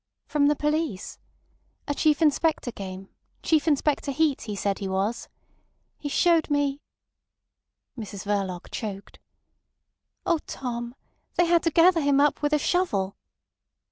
"From the police. A chief inspector came, Chief Inspector Heat he said he was. He showed me—" Mrs Verloc choked. "Oh, Tom, they had to gather him up with a shovel."